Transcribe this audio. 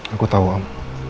aku tau om